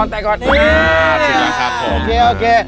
แตะก่อนนี่โอเค